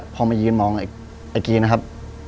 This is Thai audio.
พอมายืนมองไอ้กี้นะครับ